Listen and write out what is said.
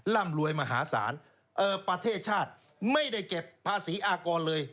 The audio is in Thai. ร่ำรวยมหาศาลประเทศชาติไม่ได้เก็บภาษีอากรเลย